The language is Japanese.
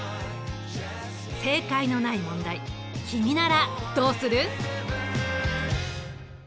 正解のない問題君ならどうする？